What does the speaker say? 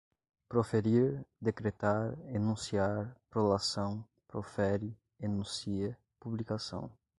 proferir, decretar, enunciar, prolação, profere, enuncia, publicação